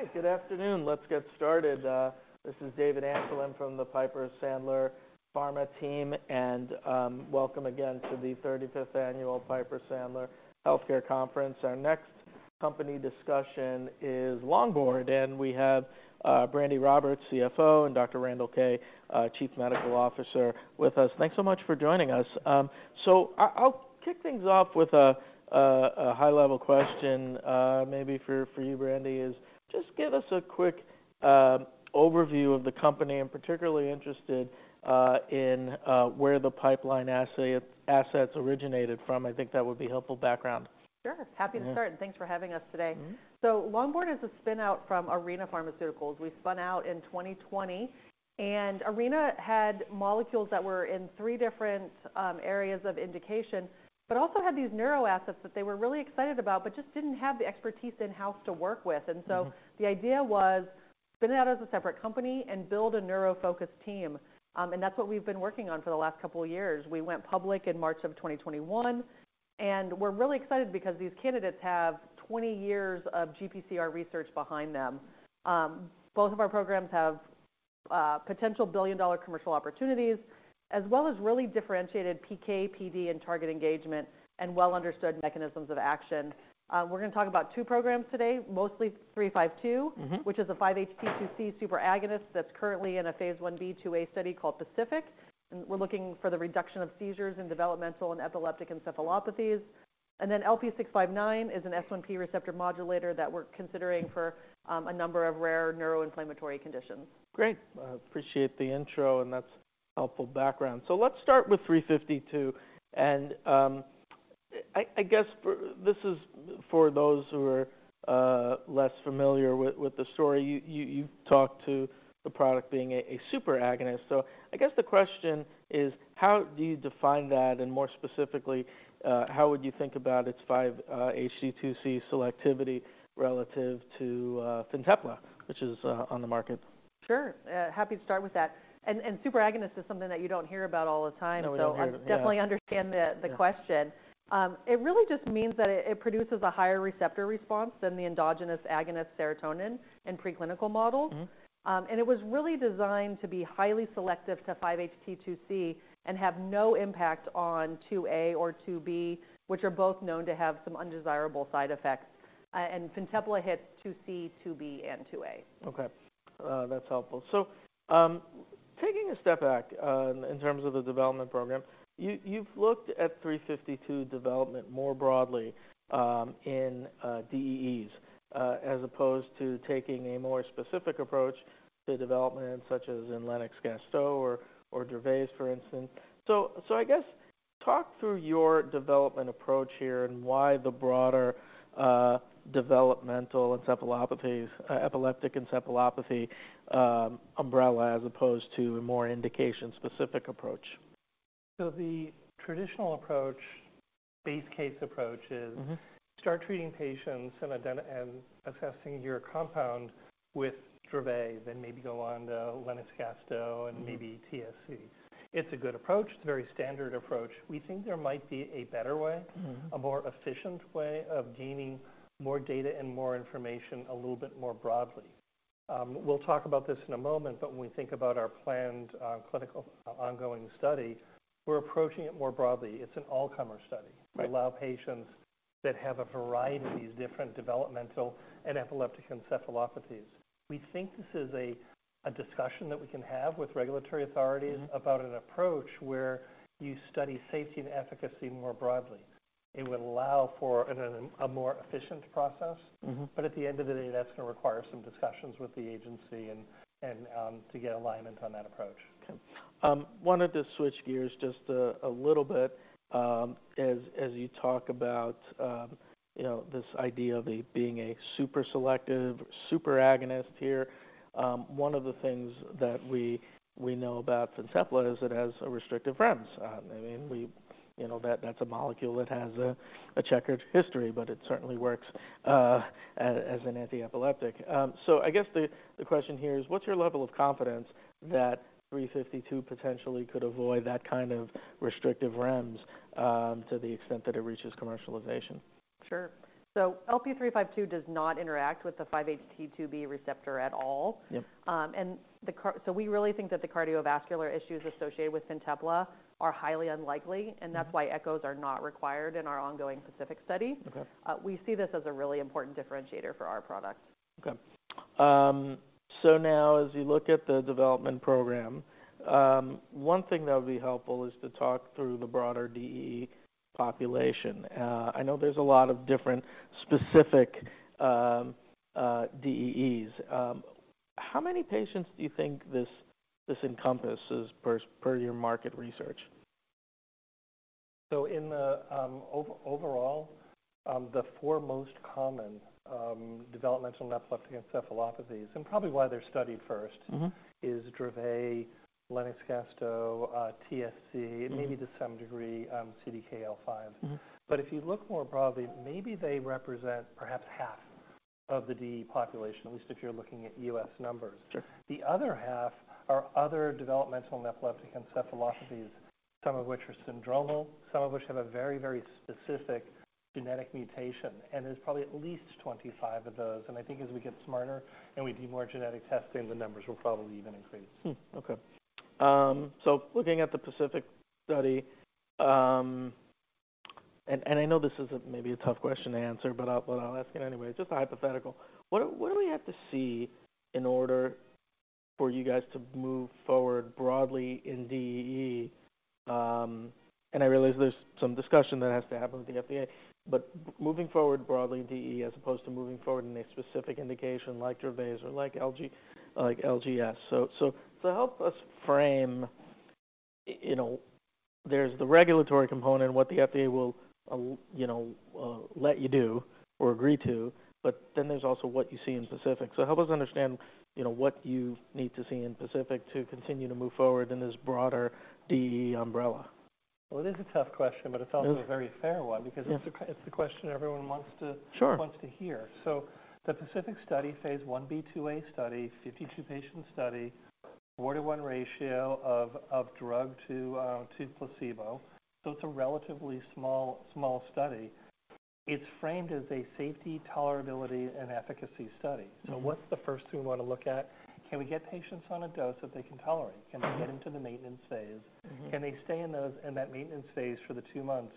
All right, good afternoon. Let's get started. This is David Amsellem from the Piper Sandler Pharma team, and welcome again to the 35th Annual Piper Sandler Healthcare Conference. Our next company discussion is Longboard, and we have Brandi Roberts, CFO, and Dr. Randall Kaye, Chief Medical Officer, with us. Thanks so much for joining us. So I'll kick things off with a high-level question, maybe for you, Brandi, is just give us a quick overview of the company. I'm particularly interested in where the pipeline assets originated from. I think that would be helpful background. Sure. Happy to start, and thanks for having us today. Mm-hmm. So Longboard is a spin-out from Arena Pharmaceuticals. We spun out in 2020, and Arena had molecules that were in three different areas of indication, but also had these neuro assets that they were really excited about, but just didn't have the expertise in-house to work with. Mm-hmm. And so the idea was spin it out as a separate company and build a neuro-focused team, and that's what we've been working on for the last couple of years. We went public in March of 2021, and we're really excited because these candidates have 20 years of GPCR research behind them. Both of our programs have potential billion-dollar commercial opportunities, as well as really differentiated PK, PD, and target engagement and well-understood mechanisms of action. We're going to talk about two programs today, mostly 352- Mm-hmm... which is a 5-HT2C superagonist that's currently in a phase Ib/IIa study called PACIFIC, and we're looking for the reduction of seizures in developmental and epileptic encephalopathies. Then LP659 is an S1P receptor modulator that we're considering for a number of rare neuroinflammatory conditions. Great. I appreciate the intro, and that's helpful background. So let's start with 352. I guess, this is for those who are less familiar with the story. You talked about the product being a superagonist. So I guess the question is: How do you define that, and more specifically, how would you think about its 5-HT2C selectivity relative to Fintepla, which is on the market? Sure. Happy to start with that. And superagonist is something that you don't hear about all the time. No, we don't hear, yeah. So definitely understand the question. Yeah. It really just means that it produces a higher receptor response than the endogenous agonist serotonin in preclinical models. Mm-hmm. It was really designed to be highly selective to 5-HT2C and have no impact on 2A or 2B, which are both known to have some undesirable side effects. And Fintepla hits 2C, 2B, and 2A. Okay. That's helpful. So, taking a step back, in terms of the development program, you've looked at 352 development more broadly, in DEEs, as opposed to taking a more specific approach to development, such as in Lennox-Gastaut or Dravet, for instance. So, I guess, talk through your development approach here and why the broader developmental and epileptic encephalopathies umbrella, as opposed to a more indication-specific approach. So the traditional approach, base case approach is- Mm-hmm... start treating patients and assessing your compound with Dravet, then maybe go on to Lennox-Gastaut. Mm-hmm... and maybe TSC. It's a good approach. It's a very standard approach. We think there might be a better way- Mm-hmm... a more efficient way of gaining more data and more information a little bit more broadly. We'll talk about this in a moment, but when we think about our planned, clinical ongoing study, we're approaching it more broadly. It's an all-comer study- Right... to allow patients that have a variety of these different developmental and epileptic encephalopathies. We think this is a discussion that we can have with regulatory authorities- Mm-hmm... about an approach where you study safety and efficacy more broadly. It would allow for a more efficient process. Mm-hmm. But at the end of the day, that's going to require some discussions with the agency and to get alignment on that approach. Okay. Wanted to switch gears just a little bit. As you talk about, you know, this idea of being a super selective, superagonist here, one of the things that we know about Fintepla is it has a restrictive REMS. I mean, we know that that's a molecule that has a checkered history, but it certainly works as an antiepileptic. So I guess the question here is: What's your level of confidence that 352 potentially could avoid that kind of restrictive REMS, to the extent that it reaches commercialization? Sure. So LP352 does not interact with the 5-HT2B receptor at all. Yep. so we really think that the cardiovascular issues associated with Fintepla are highly unlikely- Mm-hmm... and that's why echoes are not required in our ongoing PACIFIC study. Okay. We see this as a really important differentiator for our product. Okay. So now as you look at the development program, one thing that would be helpful is to talk through the broader DEE population. I know there's a lot of different specific DEEs. How many patients do you think this encompasses per your market research? In the overall, the four most common developmental epileptic encephalopathies, and probably why they're studied first- Mm-hmm... is Dravet, Lennox-Gastaut, TSC- Mm-hmm... and maybe to some degree, CDKL5. Mm-hmm. But if you look more broadly, maybe they represent perhaps half of the DEE population, at least if you're looking at U.S. numbers. Sure. The other half are other developmental and epileptic encephalopathies... some of which are syndromal, some of which have a very, very specific genetic mutation. And there's probably at least 25 of those, and I think as we get smarter and we do more genetic testing, the numbers will probably even increase. Okay. So looking at the PACIFIC study, and I know this is maybe a tough question to answer, but I'll ask it anyway. It's just a hypothetical. What do we have to see in order for you guys to move forward broadly in DEE? And I realize there's some discussion that has to happen with the FDA, but moving forward broadly in DEE as opposed to moving forward in a specific indication like Dravet or like LG, like LGS. So help us frame, you know, there's the regulatory component and what the FDA will, you know, let you do or agree to, but then there's also what you see in specific. So help us understand, you know, what you need to see in specific to continue to move forward in this broader DEE umbrella. Well, it is a tough question, but it's also- Hmm... a very fair one because- Yeah It's the question everyone wants to- Sure... wants to hear. So the PACIFIC study, phase Ib/IIa study, 52-patient study, 4:1 ratio of drug to placebo. So it's a relatively small study. It's framed as a safety, tolerability, and efficacy study. Mm-hmm. What's the first thing we want to look at? Can we get patients on a dose that they can tolerate? Mm-hmm. Can we get them to the maintenance phase? Mm-hmm. Can they stay in those, in that maintenance phase for the two months,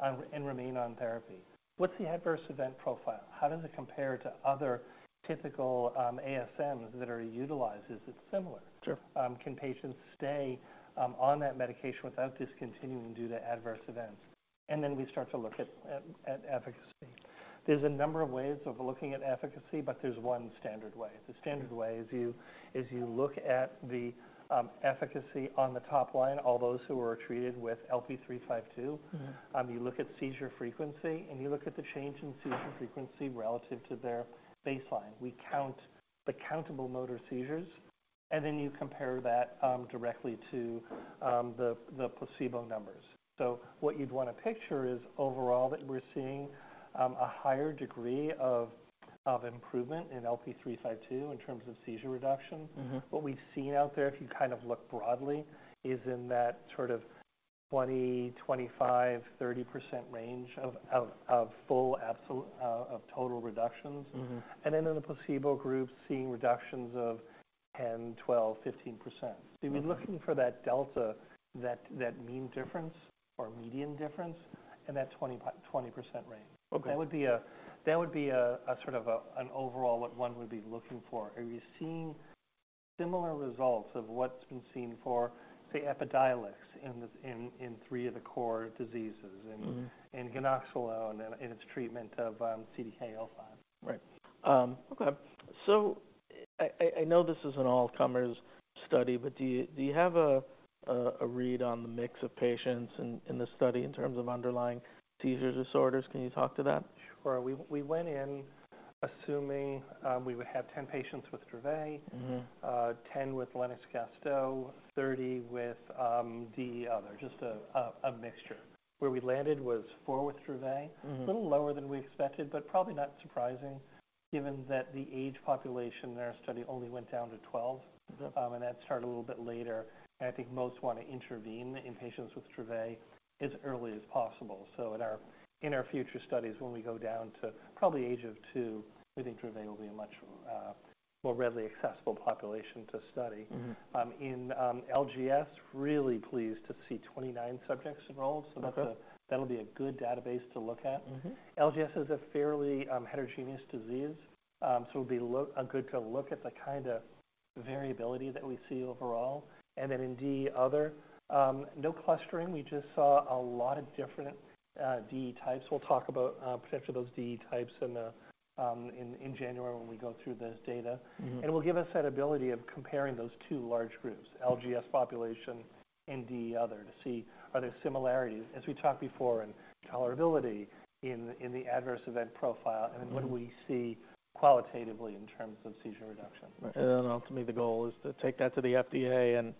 and remain on therapy? What's the adverse event profile? How does it compare to other typical, ASMs that are utilized? Is it similar? Sure. Can patients stay on that medication without discontinuing due to adverse events? And then we start to look at efficacy. There's a number of ways of looking at efficacy, but there's one standard way. Mm-hmm. The standard way is you look at the efficacy on the top line, all those who were treated with LP352. Mm-hmm. You look at seizure frequency, and you look at the change in seizure frequency relative to their baseline. We count the countable motor seizures, and then you compare that directly to the placebo numbers. So what you'd want to picture is overall that we're seeing a higher degree of improvement in LP352 in terms of seizure reduction. Mm-hmm. What we've seen out there, if you kind of look broadly, is in that sort of 20%-30% range of full, absolute total reductions. Mm-hmm. And then in the placebo group, seeing reductions of 10, 12, 15%. Mm-hmm. So we're looking for that delta, that mean difference or median difference and that 20% range. Okay. That would be a sort of an overall what one would be looking for. Are we seeing similar results of what's been seen for, say, Epidiolex in the three of the core diseases and- Mm-hmm... and ganaxolone in its treatment of CDKL5. Right. Okay. So I know this is an all-comers study, but do you have a read on the mix of patients in this study in terms of underlying seizure disorders? Can you talk to that? Sure. We went in assuming we would have ten patients with Dravet- Mm-hmm... 10 with Lennox-Gastaut, 30 with the other, just a mixture. Where we landed was four with Dravet. Mm-hmm. A little lower than we expected, but probably not surprising, given that the age population in our study only went down to 12. Mm-hmm. and that started a little bit later, and I think most want to intervene in patients with Dravet as early as possible. So in our future studies, when we go down to probably age of two, we think Dravet will be a much more readily accessible population to study. Mm-hmm. LGS, really pleased to see 29 subjects enrolled. Okay. So, that'll be a good database to look at. Mm-hmm. LGS is a fairly heterogeneous disease. So it'll be a good to look at the kind of variability that we see overall. And then in other DEE, no clustering, we just saw a lot of different DEE types. We'll talk about potentially those DEE types in January when we go through this data. Mm-hmm. It will give us that ability of comparing those two large groups- Mm-hmm... LGS population and DEE other, to see are there similarities, as we talked before, in tolerability, in the adverse event profile- Mm-hmm What do we see qualitatively in terms of seizure reduction? Right. And ultimately, the goal is to take that to the FDA and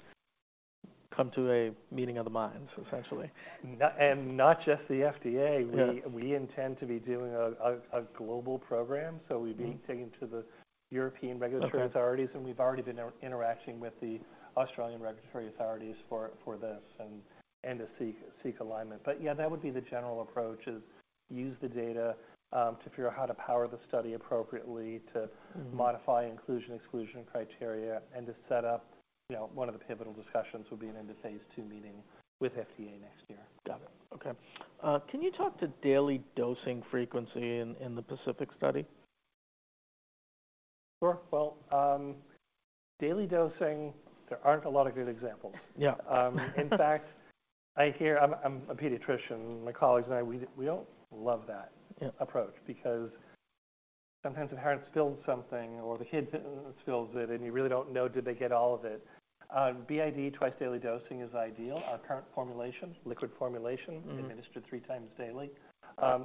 come to a meeting of the minds, essentially. and not just the FDA. Yeah. We intend to be doing a global program. Mm-hmm. So we'd be taking it to the European regulatory- Okay... authorities, and we've already been interacting with the Australian regulatory authorities for this and to seek alignment. But yeah, that would be the general approach, is use the data to figure out how to power the study appropriately- Mm-hmm... to modify inclusion, exclusion criteria, and to set up, you know, one of the pivotal discussions would be in the phase II meeting with FDA next year. Got it. Okay. Can you talk to daily dosing frequency in the PACIFIC study? Sure. Well, daily dosing, there aren't a lot of good examples. Yeah. In fact, I hear... I'm a pediatrician. My colleagues and I, we don't love that- Yeah approach because sometimes a parent spills something or the kid spills it, and you really don't know, did they get all of it? BID, twice-daily dosing is ideal. Mm-hmm. Our current formulation, liquid formulation- Mm-hmm... administered three times daily,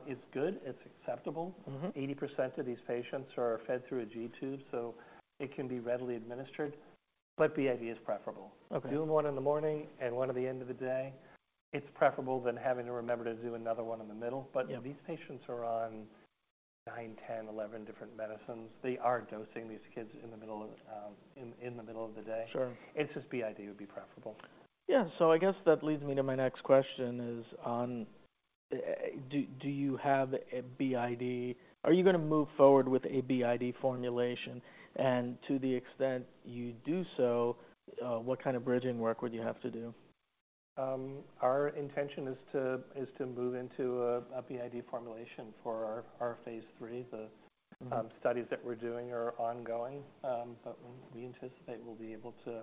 is good. It's acceptable. Mm-hmm. 80% of these patients are fed through a G-tube, so it can be readily administered, but BID is preferable. Okay. Doing one in the morning and one at the end of the day, it's preferable than having to remember to do another one in the middle. Yeah. But these patients are on 9, 10, 11 different medicines. They are dosing these kids in the middle of the day. Sure. It's just BID would be preferable. Yeah. So I guess that leads me to my next question is, do you have a BID? Are you going to move forward with a BID formulation? And to the extent you do so, what kind of bridging work would you have to do? Our intention is to move into a BID formulation for our phase III. Mm-hmm. The studies that we're doing are ongoing, but we anticipate we'll be able to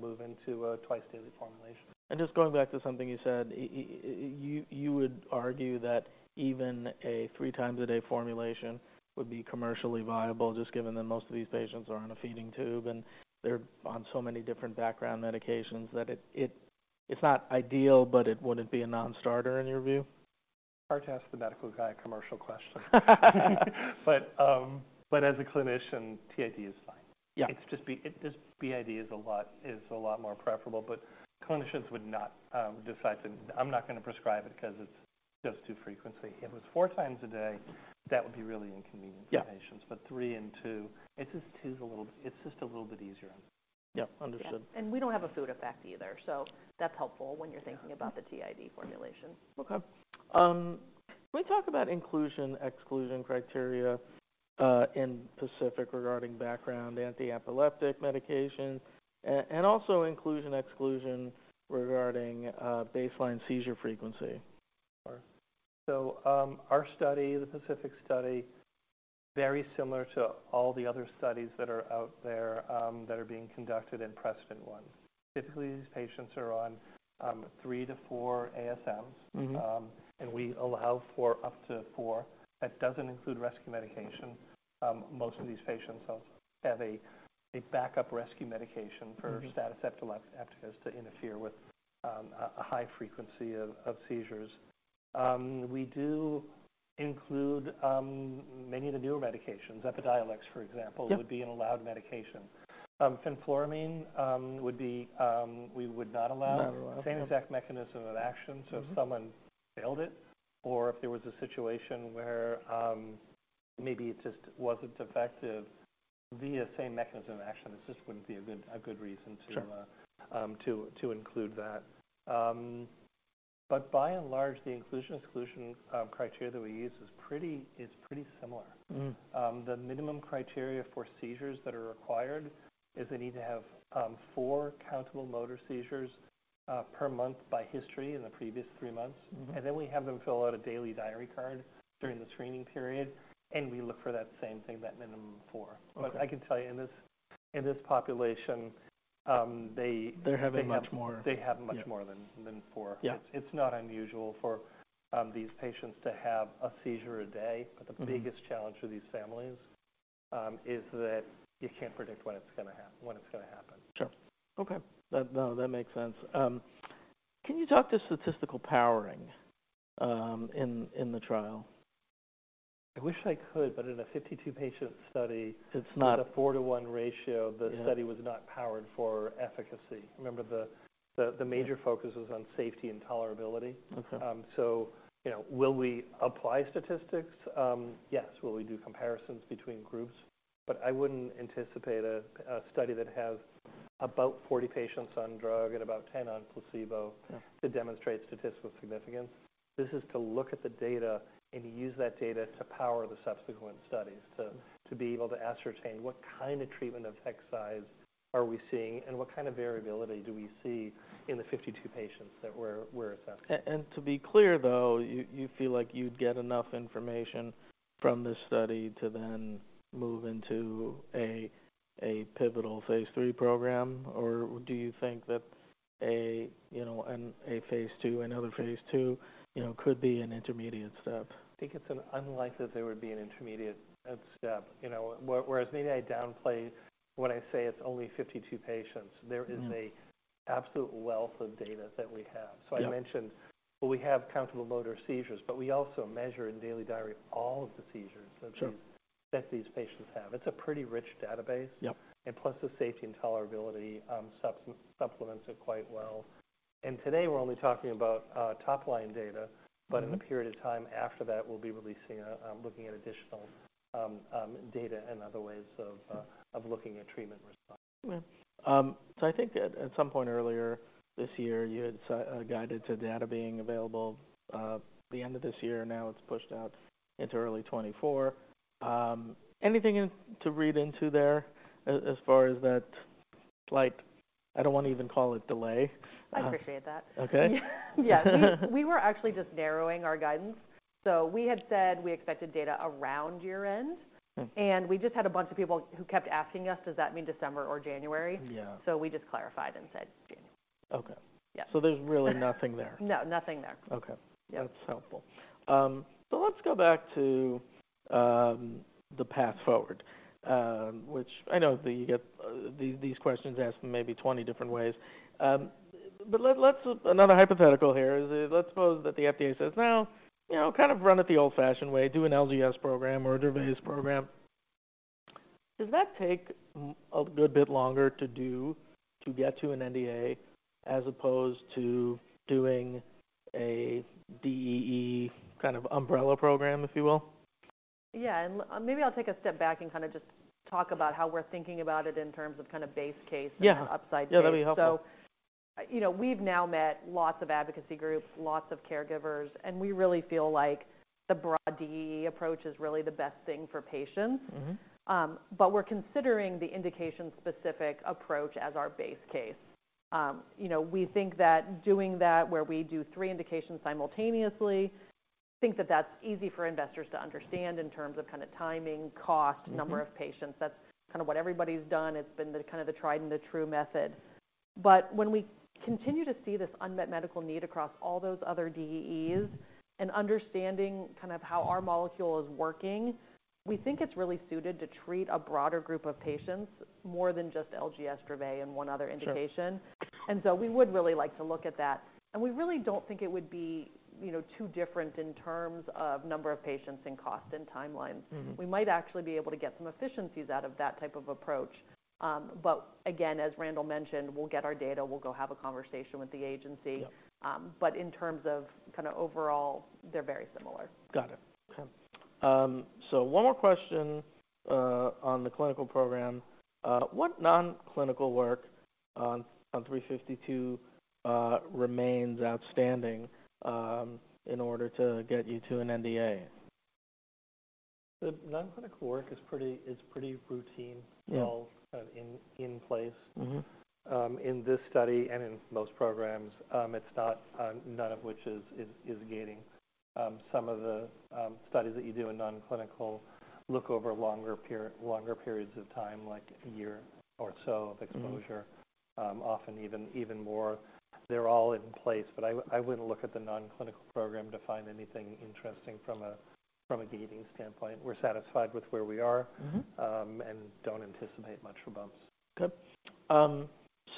move into a twice-daily formulation. Just going back to something you said, you would argue that even a three times a day formulation would be commercially viable, just given that most of these patients are on a feeding tube, and they're on so many different background medications, that it. It's not ideal, but it wouldn't be a non-starter in your view? Hard to ask the medical guy a commercial question. But, but as a clinician, TID is fine. Yeah. It's just BID is a lot more preferable, but clinicians would not decide to... "I'm not going to prescribe it because it's just too frequent." If it was four times a day, that would be really inconvenient. Yeah for patients, but 3 and 2, it's just 2 is a little bit... It's just a little bit easier. Yeah, understood. Yeah. We don't have a food effect either, so that's helpful when you're thinking- Yeah about the TID formulation. Okay. Can we talk about inclusion/exclusion criteria in PACIFIC regarding background antiepileptic medication and also inclusion/exclusion regarding baseline seizure frequency? Sure. Our study, the PACIFIC study, very similar to all the other studies that are out there, that are being conducted in precedent ones. Typically, these patients are on 3-4 ASMs. Mm-hmm. And we allow for up to four. That doesn't include rescue medication. Most of these patients also have a backup rescue medication- Mm-hmm -for status epilepticus, to interfere with a high frequency of seizures. We do include many of the newer medications. Epidiolex, for example- Yeah would be an allowed medication. Fenfluramine would be, we would not allow. Not allow, okay. Same exact mechanism of action. Mm-hmm. So if someone failed it, or if there was a situation where maybe it just wasn't effective via same mechanism of action, this just wouldn't be a good reason to- Sure... to include that. But by and large, the inclusion/exclusion criteria that we use is pretty similar. Mm. The minimum criteria for seizures that are required is they need to have four countable motor seizures per month by history in the previous three months. Mm-hmm. And then we have them fill out a daily diary card during the screening period, and we look for that same thing, that minimum of four. Okay. I can tell you, in this, in this population, they- They're having much more. They have much more- Yeah... than four. Yeah. It's not unusual for, these patients to have a seizure a day- Mm-hmm... but the biggest challenge for these families is that you can't predict when it's gonna happen. Sure. Okay, that, no, that makes sense. Can you talk to statistical powering, in the trial? I wish I could, but in a 52 patient study- It's not- It's not a 4-to-1 ratio. Yeah. The study was not powered for efficacy. Remember, the major- Yeah... focus was on safety and tolerability. Okay. So, you know, will we apply statistics? Yes. Will we do comparisons between groups? But I wouldn't anticipate a study that has about 40 patients on drug and about 10 on placebo- Yeah -to demonstrate statistical significance. This is to look at the data and use that data to power the subsequent studies, to be able to ascertain what kind of treatment effect size are we seeing and what kind of variability do we see in the 52 patients that we're assessing. And to be clear, though, you feel like you'd get enough information from this study to then move into a pivotal phase III program? Or do you think that, you know, a phase II, another phase II, you know, could be an intermediate step? I think it's unlikely that there would be an intermediate step. You know, whereas maybe I downplay when I say it's only 52 patients- Mm... there is an absolute wealth of data that we have. Yeah. I mentioned, well, we have countable motor seizures, but we also measure in daily diary all of the seizures. Sure that these patients have. It's a pretty rich database. Yep. Plus, the safety and tolerability supplements it quite well. And today, we're only talking about top-line data- Mm-hmm... but in a period of time after that, we'll be releasing, looking at additional data and other ways of looking at treatment response. Mm-hmm. So I think at some point earlier this year, you had guided to data being available the end of this year. Now it's pushed out into early 2024. Anything to read into there as far as that, like, I don't want to even call it delay? I appreciate that. Okay. Yeah. We were actually just narrowing our guidance. So we had said we expected data around year-end. Mm. We just had a bunch of people who kept asking us, "Does that mean December or January? Yeah. We just clarified and said January. Okay. Yeah. So there's really nothing there? No, nothing there. Okay. Yeah. That's helpful. So let's go back to the path forward, which I know that you get these questions asked in maybe 20 different ways. But let's... Another hypothetical here is, let's suppose that the FDA says, "Now, you know, kind of run it the old-fashioned way. Do an LGS program or a Dravet's program."... Does that take a good bit longer to do to get to an NDA, as opposed to doing a DEE kind of umbrella program, if you will? Yeah, and maybe I'll take a step back and kind of just talk about how we're thinking about it in terms of kind of base case- Yeah. Upside case. Yeah, that'd be helpful. So, you know, we've now met lots of advocacy groups, lots of caregivers, and we really feel like the broad DEE approach is really the best thing for patients. Mm-hmm. But we're considering the indication-specific approach as our base case. You know, we think that doing that, where we do three indications simultaneously, think that that's easy for investors to understand in terms of kind of timing, cost- Mm-hmm. number of patients. That's kind of what everybody's done. It's been the kind of the tried-and-the-true method. But when we continue to see this unmet medical need across all those other DEEs, and understanding kind of how our molecule is working, we think it's really suited to treat a broader group of patients, more than just LG, Dravet, and one other indication. Sure. We would really like to look at that, and we really don't think it would be, you know, too different in terms of number of patients and cost and timelines. Mm-hmm. We might actually be able to get some efficiencies out of that type of approach. But again, as Randall mentioned, we'll get our data, we'll go have a conversation with the agency. Yep. But in terms of kind of overall, they're very similar. Got it. Okay. So one more question on the clinical program. What non-clinical work on 352 remains outstanding in order to get you to an NDA? The non-clinical work is pretty routine- Yeah... It's all kind of in place. Mm-hmm. In this study and in most programs, it's not, none of which is gaining. Some of the studies that you do in non-clinical look over a longer period—longer periods of time, like a year or so- Mm-hmm... of exposure, often even more. They're all in place, but I wouldn't look at the non-clinical program to find anything interesting from a gating standpoint. We're satisfied with where we are- Mm-hmm... and don't anticipate much for bumps. Okay.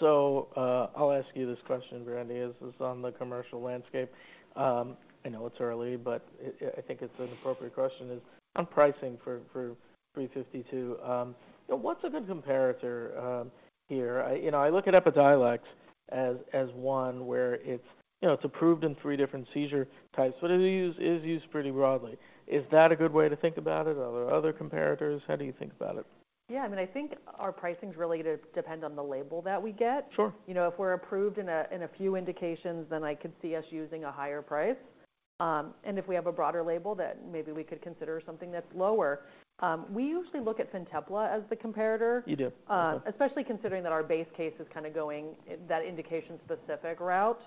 So, I'll ask you this question, Brandi. Is this on the commercial landscape? I know it's early, but I think it's an appropriate question, is on pricing for 352. What's a good comparator here? You know, I look at Epidiolex as one where it's approved in three different seizure types, but it is used pretty broadly. Is that a good way to think about it, or are there other comparators? How do you think about it? Yeah, I mean, I think our pricing really depends on the label that we get. Sure. You know, if we're approved in a few indications, then I could see us using a higher price. And if we have a broader label, then maybe we could consider something that's lower. We usually look at Fintepla as the comparator. You do? Especially considering that our base case is kind of going that indication-specific route.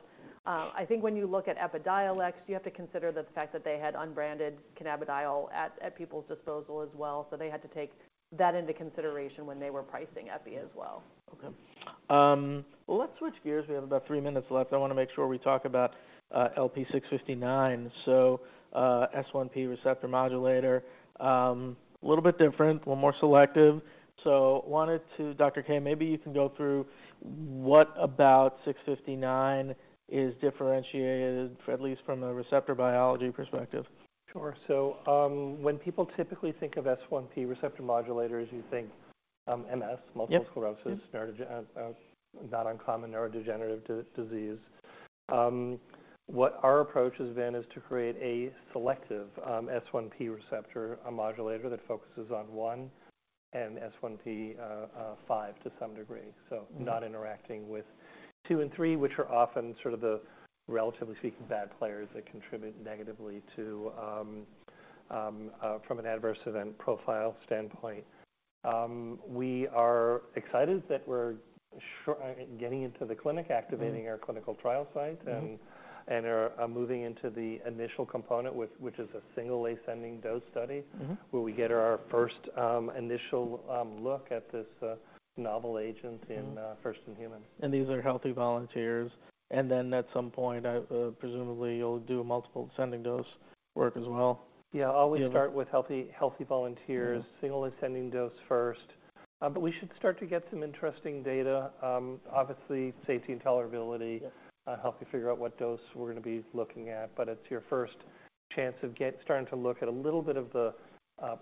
I think when you look at Epidiolex, you have to consider the fact that they had unbranded cannabidiol at people's disposal as well, so they had to take that into consideration when they were pricing Epi as well. Okay. Well, let's switch gears. We have about three minutes left. I want to make sure we talk about LP659. So, S1P receptor modulator, a little bit different, well, more selective. So wanted to... Dr. Kaye, maybe you can go through what about LP659 is differentiated, at least from a receptor biology perspective. Sure. So, when people typically think of S1P receptor modulators, you think, MS- Yep... multiple sclerosis- Mm-hmm... neurodegenerative disease. What our approach has been is to create a selective S1P receptor modulator that focuses on S1P1 and S1P5 to some degree, so- Mm-hmm... not interacting with two and three, which are often sort of the, relatively speaking, bad players that contribute negatively to, from an adverse event profile standpoint. We are excited that we're getting into the clinic- Mm-hmm... activating our clinical trial site- Mm-hmm... and are moving into the initial component, which is a single ascending dose study- Mm-hmm... where we get our first, initial, look at this, novel agent in, Mm-hmm... first in human. These are healthy volunteers, and then at some point, presumably, you'll do multiple ascending dose work as well. Yeah, always- Yeah... start with healthy, healthy volunteers. Yeah. Single ascending dose first. But we should start to get some interesting data. Obviously, safety and tolerability- Yeah... help you figure out what dose we're going to be looking at, but it's your first chance of starting to look at a little bit of the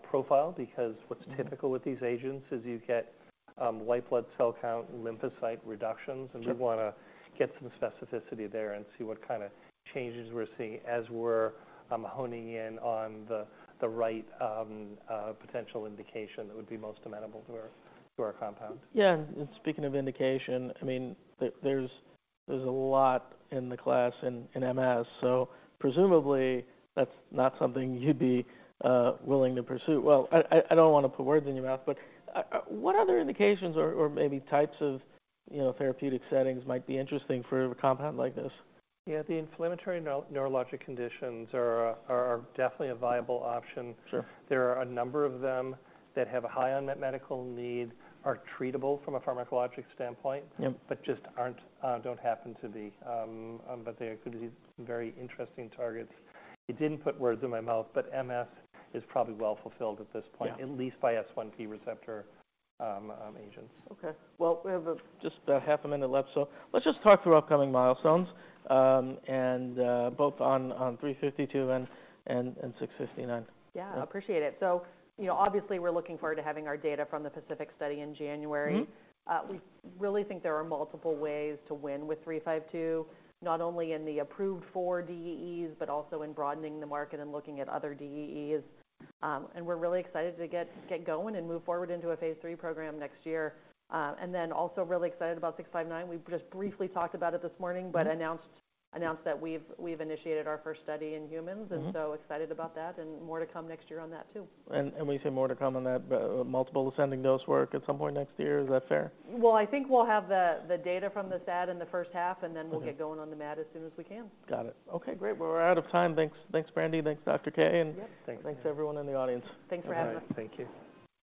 profile, because what's- Mm-hmm... typical with these agents is you get white blood cell count and lymphocyte reductions- Sure... and you want to get some specificity there and see what kind of changes we're seeing as we're honing in on the right potential indication that would be most amenable to our compound. Yeah, and speaking of indication, I mean, there's a lot in the class in MS, so presumably, that's not something you'd be willing to pursue. Well, I don't want to put words in your mouth, but what other indications or maybe types of, you know, therapeutic settings might be interesting for a compound like this? Yeah, the inflammatory neurologic conditions are, are definitely a viable option. Sure. There are a number of them that have a high unmet medical need, are treatable from a pharmacologic standpoint- Yep... but just aren't, don't happen to be, but they are good, very interesting targets. You didn't put words in my mouth, but MS is probably well fulfilled at this point- Yeah... at least by S1P receptor, agents. Okay, well, we have just about half a minute left, so let's just talk through upcoming milestones and 352 and 659. Yeah, appreciate it. So you know, obviously, we're looking forward to having our data from the PACIFIC study in January. Mm-hmm. We really think there are multiple ways to win with 352, not only in the approved 4 DEEs, but also in broadening the market and looking at other DEEs. And we're really excited to get going and move forward into a phase III program next year. And then also really excited about 659. We've just briefly talked about it this morning- Mm-hmm... but announced that we've initiated our first study in humans- Mm-hmm... and so excited about that, and more to come next year on that, too. When you say more to come on that, multiple ascending dose work at some point next year, is that fair? Well, I think we'll have the data from the SAD in the first half, and then- Okay... we'll get going on the MAD as soon as we can. Got it. Okay, great. Well, we're out of time. Thanks, thanks, Brandi. Thanks, Dr. Kaye, and- Yep, thank you.... thanks everyone in the audience. Thanks for having us. All right, thank you.